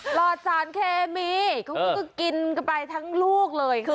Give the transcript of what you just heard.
พรรดศาลเคมีกลับไปทั้งลูกเลย